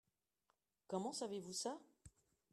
Comment savez-vous ça ?